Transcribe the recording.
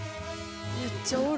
めっちゃおる。